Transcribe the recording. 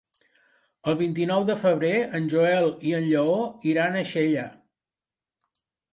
El vint-i-nou de febrer en Joel i en Lleó iran a Xella.